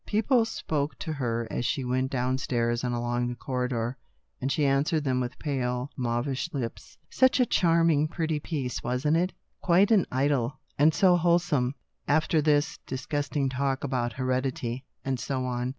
People spoke to her as she went down stairs and along the corridor, and she answered them with pale mauvish lips. Such a charming, pretty piece, wasn't it ? Quite an idyl, and so wholesome, after these dis gusting plays about heredity, and so on.